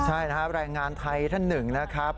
ใช่นะครับแรงงานไทยท่านหนึ่งนะครับ